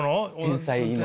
天才の。